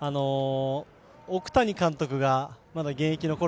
奥谷監督がまだ現役のころ